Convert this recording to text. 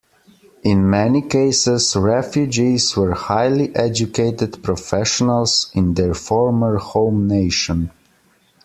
In many cases, Refugees were highly educated professionals in their former home nation.